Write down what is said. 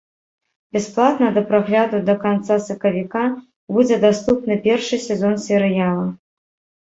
Бясплатна да прагляду да канца сакавіка будзе даступны першы сезон серыяла.